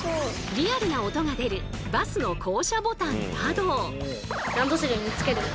リアルな音が出るバスの降車ボタンなど。